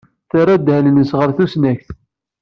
Terra ddehn-nnes ɣer tusnakt.